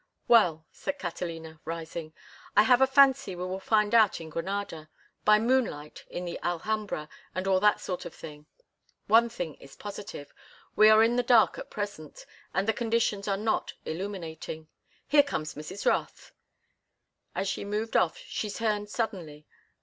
"Well," said Catalina, rising, "I have a fancy we will find out in Granada—by moonlight in the Alhambra and all that sort of thing. One thing is positive—we are in the dark at present, and the conditions are not illuminating. Here comes Mrs. Rothe." As she moved off she turned suddenly.